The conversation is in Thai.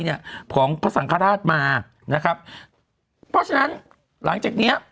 เนี่ยของพระสังคาราชมานะครับนะครับเนี่ย